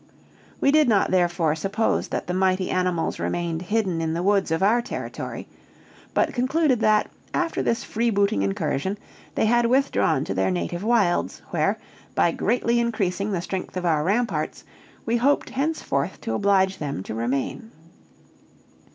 We did not, therefore, suppose that the mighty animals remained hidden in the woods of our territory; but concluded that, after this freebooting incursion, they had withdrawn to their native wilds, where, by greatly increasing the strength of our ramparts, we hoped henceforth to oblige them to remain.